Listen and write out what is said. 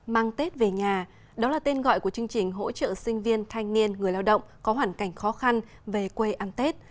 mang tết về nhà đó là tên gọi của chương trình hỗ trợ sinh viên thanh niên người lao động có hoàn cảnh khó khăn về quê ăn tết